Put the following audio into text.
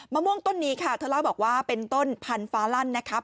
ม่วงต้นนี้ค่ะเธอเล่าบอกว่าเป็นต้นพันธุ์ฟ้าลั่นนะครับ